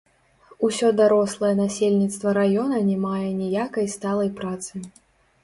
Усё дарослае насельніцтва раёна не мае ніякай сталай працы.